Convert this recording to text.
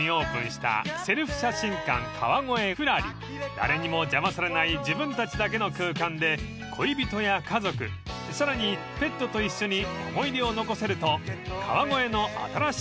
［誰にも邪魔されない自分たちだけの空間で恋人や家族さらにペットと一緒に思い出を残せると］